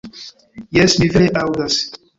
Jes, mi vere aŭdas!